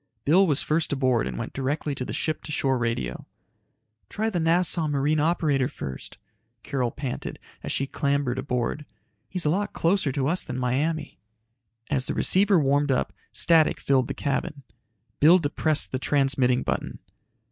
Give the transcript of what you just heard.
Bill was first aboard and went directly to the ship to shore radio. "Try the Nassau marine operator first," Carol panted as she clambered aboard. "He's a lot closer to us than Miami." As the receiver warmed up, static filled the cabin. Bill depressed the transmitting button.